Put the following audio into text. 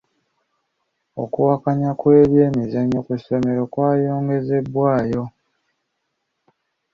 Okuwakanya kw'ebyemizannyo ku ssomero kwayongezebwayo.